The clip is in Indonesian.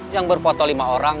yang berfoto lima orang